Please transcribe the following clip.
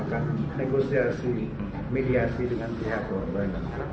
akan negosiasi mediasi dengan pihak korban